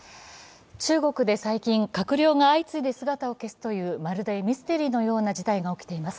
中国で最近、閣僚が相次いで姿を消すというまるでミステリーのような事態が起きています